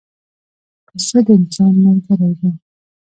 پسه د انسان ملګری دی.